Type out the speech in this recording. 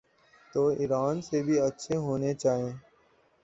تو ایران سے بھی اچھے ہونے چائیں۔